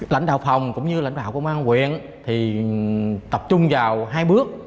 lãnh đạo phòng cũng như lãnh đạo công an quyện tập trung vào hai bước